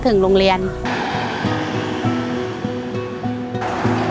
ชื่อนางวุญสงศ์อายุ๕๒ปี